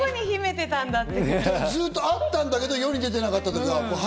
ずっとあったんだけど、世に出てなかった。